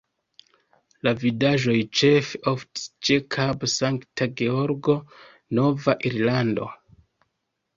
La vidaĵoj ĉefe oftis ĉe Kabo Sankta Georgo, Nova Irlando.